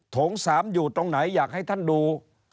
โถง๓อยู่ตรงไหนอยากให้ท่านดู